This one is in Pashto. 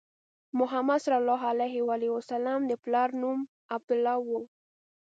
محمد صلی الله علیه وسلم د پلار نوم عبدالله و.